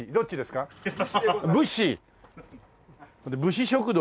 武士食堂